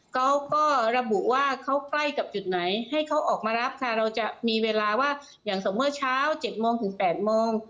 เขาก็ระบุว่าเขาใกล้กับจุดไหนให้เขาออกมารับค่ะเราจะมีเวลาว่าอย่างสมมุติเมื่อเช้า๗โมงถึง๘โมง